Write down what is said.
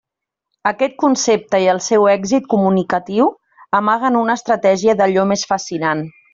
Aquest concepte i el seu èxit comunicatiu amaguen una estratègia d'allò més fascinant.